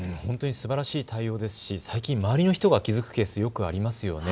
すばらしい対応ですし、周りの人が気付くケースよくありますよね。